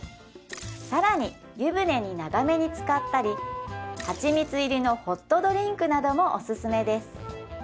更に湯船に長めにつかったりはちみつ入りのホットドリンクなどもおすすめです